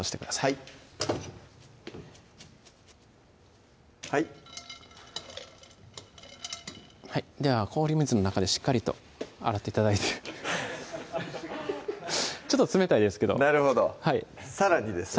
はいはいでは氷水の中でしっかりと洗って頂いてちょっと冷たいですけどなるほどさらにですね